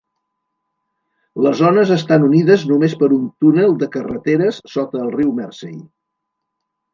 Les zones estan unides només per un túnel de carreteres sota el riu Mersey.